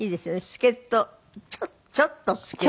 助っ人ちょっと助っ人。